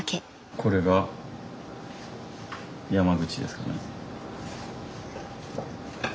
これが山口ですかね。